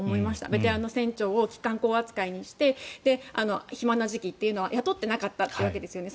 ベテランの船長を期間工扱いにして暇な時期というのは雇っていなかったというわけですよね。